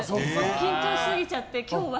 緊張しすぎちゃって今日は。